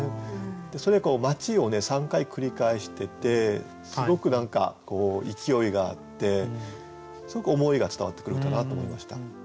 それで「街」を３回繰り返しててすごく何か勢いがあってすごく思いが伝わってくる歌だなと思いました。